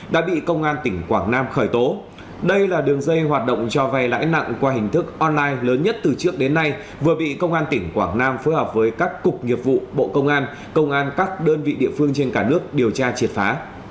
đã bị công an tỉnh quảng nam khởi tố đây là đường dây hoạt động cho vay lãi nặng qua hình thức online lớn nhất từ trước đến nay vừa bị công an tỉnh quảng nam phối hợp với các cục nghiệp vụ bộ công an công an các đơn vị địa phương trên cả nước điều tra triệt phá